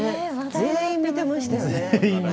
全員見てたよね。